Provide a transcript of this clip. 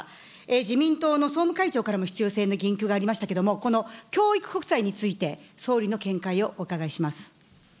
自民党の総務会長からも必要性の言及がありましたけれども、この教育国債について総理の見解をお伺いします。